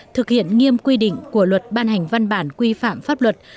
thực hiện nghiêm quy định của luật ban hành văn bản quy phạm pháp luật